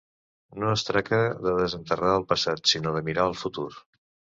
No es tracta de desenterrar el passat, sinó de mirar al futur